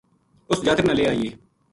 اس جاتک نا لے آئیے